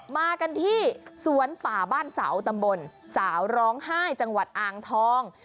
มากันที่สวนป่าบ้านเสาตำบลสาวร้องไห้จังหวัดอ่างทอง